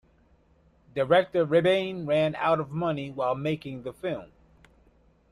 Director Rebane ran out of money while making the film.